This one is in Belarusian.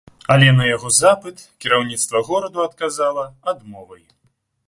Але на яго запыт кіраўніцтва гораду адказала адмовай.